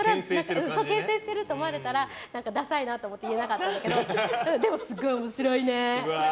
牽制してると思われたらダサいなと思って言えなかったんだけどでも、すごい面白いね。